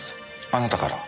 あなたから？